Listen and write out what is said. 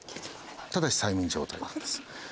ただし催眠状態のままです。